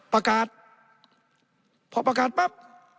ประกาศพอประกาศปั๊บ